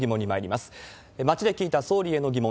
街で聞いた総理への疑問。